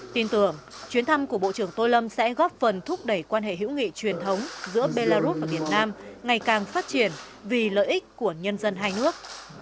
tin tưởng chuyến thăm của bộ trưởng tô lâm sẽ góp phần thúc đẩy quan hệ hữu nghị truyền thống giữa belarus và việt nam ngày càng phát triển vì lợi ích của nhân dân hai nước